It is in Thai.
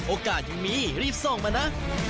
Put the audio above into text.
โอกาสยังมีรีบส่องมานะ